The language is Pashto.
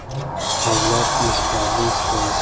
اولاد مو صالح کړئ.